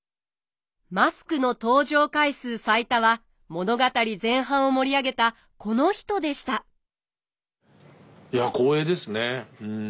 マスクの登場回数最多は物語前半を盛り上げたこの人でしたいや光栄ですねうん。